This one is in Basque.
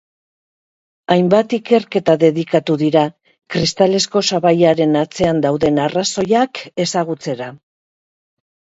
Hainbat ikerketa dedikatu dira kristalezko sabaiaren atzean dauden arrazoiak ezagutzera.